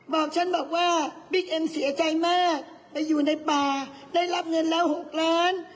บอกฉันบอกว่าบิ๊กเอ็มเสียใจมากไปอยู่ในป่าได้รับเงินแล้ว๖ล้าน